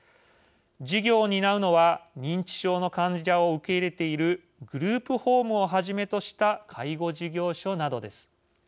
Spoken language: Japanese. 事業を担うのは認知症の患者を受け入れているグループホームをはじめとした介護事業所などです。